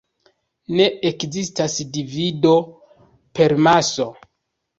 Ne ekzistas divido per maso.